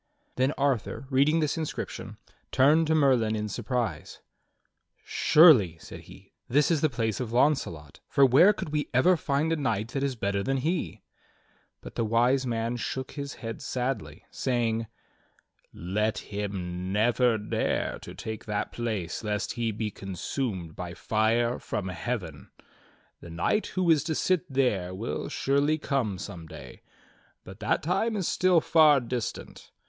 Then Arthur, reading this inscription, turned to Merlin in surprise. "Surely," said he, "this is the place of Launcelot, for where could we ever find a knight that is better than he.^" But the Wise Man shook his head sadly, saying: "Let him never dare to take that place lest he be consumed by fire from heaven. The knight who is to sit there will surely come some 'day, but that time is still far distant.